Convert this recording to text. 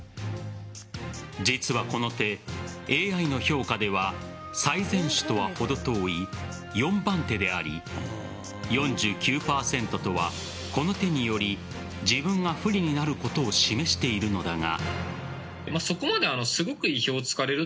実はこの手、ＡＩの評価では最善手とは程遠い４番手であり４９％とは、この手により自分が不利になることを示しているのだが。